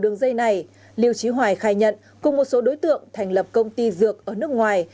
ngày nhận cùng một số đối tượng thành lập công ty dược ở nước ngoài